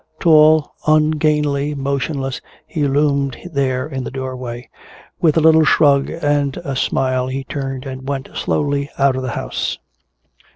Tall, ungainly, motionless, he loomed there in the doorway. With a little shrug and a smile he turned and went slowly out of the house.